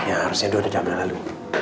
ya harusnya dua jam lalu